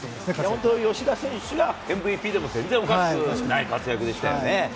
本当、吉田選手、ＭＶＰでも全然おかしくない活躍でしたよね。